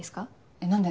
えっ何で？